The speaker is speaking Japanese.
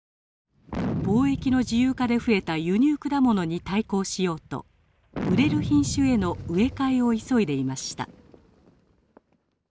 貿易の自由化で増えた輸入果物に対抗しようと売れる品種への植え替えを急いでいました。